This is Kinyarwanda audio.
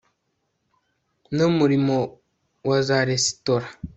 numurimo wa za resitora